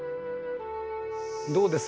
どうです？